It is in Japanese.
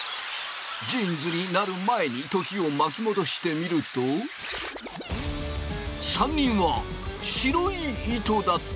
ジーンズになる前に時を巻き戻してみると３人は白い糸だった。